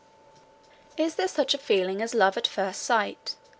Is there such a feeling as love at first sight?